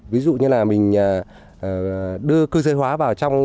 ví dụ như là mình đưa cư dây hóa vào trong